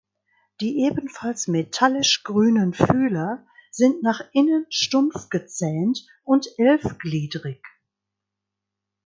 Die ebenfalls metallisch grünen Fühler sind nach innen stumpf gezähnt und elfgliedrig.